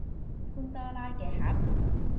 潘多拉嘅盒